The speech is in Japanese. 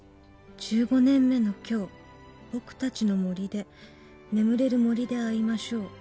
１５年目の今日僕たちの森で眠れる森で会いましょう」